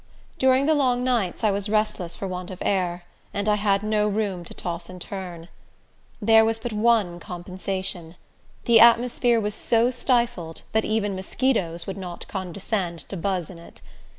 During the long nights I was restless for want of air, and I had no room to toss and turn. There was but one compensation; the atmosphere was so stifled that even mosquitos would not condescend to buzz in it.